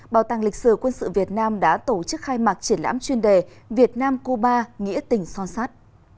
bảo tàng lịch sử quân sự việt nam đã tổ chức khai mạc triển lãm chuyên đề việt nam cuba nghĩa tình son sát